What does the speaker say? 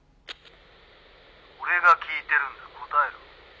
「俺が聞いてるんだ答えろ」